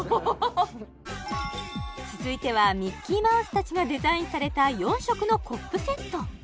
続いてはミッキーマウスたちがデザインされた４色のコップセット